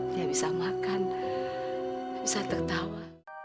dia bisa makan bisa tertawa